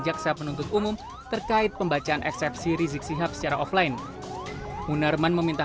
jaksa penuntut umum terkait pembacaan eksepsi rizik sihab secara offline munarman meminta